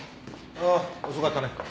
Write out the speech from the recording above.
ああ遅かったね。